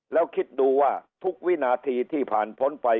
แล้วคิดดูว่าทุกวินาทีที่ผ่านพ้นไป